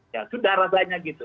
ya sudah rasanya gitu